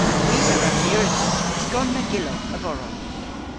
Hwi a wra mires orto skonna gyllowgh a-vorow.